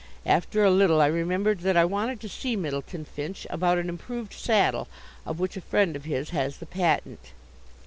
After a little I remembered that I wanted to see Myddleton Finch about an improved saddle of which a friend of his has the patent.